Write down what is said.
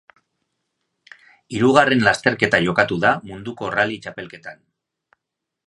Hirugarren lasterketa jokatu da munduko rally txapelketan.